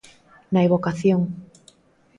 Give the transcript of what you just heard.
Na evocación.